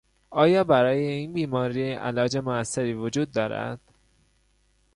آیا برای این بیماری علاج موثری وجود دارد؟